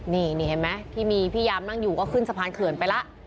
นี่เห็นไหมที่มีพี่ยามนั่งอยู่ก็ขึ้นสะพานเขื่อนไปแล้ว